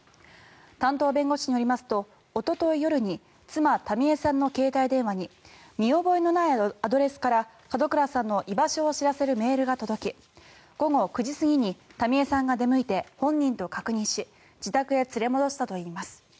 担当弁護士によりますとおととい夜に妻・民江さんの携帯電話に見覚えのないアドレスから門倉さんの居場所を知らせるメールが届き、午後９時過ぎに民江さんが出向いて本人と確認し自宅へ連れ戻したといいます。